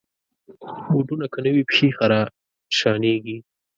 بوټونه که نه وي، پښې خراشانېږي.